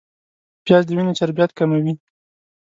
پیاز د وینې چربیات کموي